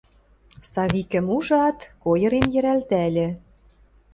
Савикӹм ужат, койырен йӹрӓлтӓльӹ.